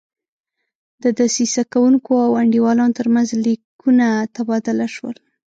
د دسیسه کوونکو او انډیوالانو ترمنځ لیکونه تبادله شول.